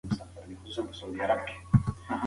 ښوونکي د زده کوونکو د راتلونکي معماران دي.